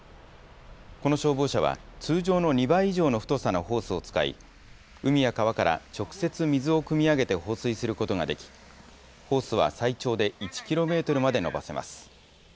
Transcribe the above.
この消防車は、通常の２倍以上の太さのホースを使い、海や川から直接、水をくみ上げて放水することができ、ホースは最長で１キロメートルまで延ばせます。